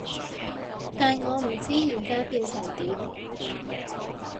但我唔知而家變成點